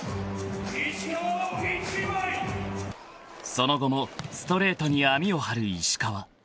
［その後もストレートに網を張る石川］